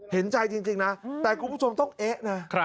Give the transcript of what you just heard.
เห็นใจจริงนะแต่คุณผู้ชมต้องเอ๊ะนะ